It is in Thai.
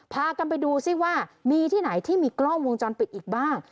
พากันไปดูซิว่ามีที่ไหนที่มีกล้องวงจรปิดอีกบ้าง